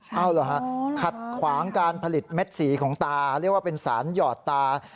เอาเหรอฮะขัดขวางการผลิตเม็ดสีของตาเรียกว่าเป็นสารหยอดตา